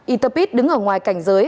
yterpit đứng ở ngoài cảnh giới